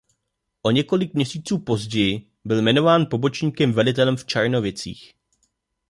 O několik měsíců později byl jmenován pobočníkem velitele v Černovicích.